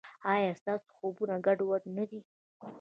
ایا ستاسو خوبونه ګډوډ نه دي؟